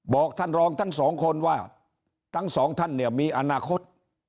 บอกท่านรองทั้งสองคนว่าทั้งสองท่านเนี่ยมีอนาคต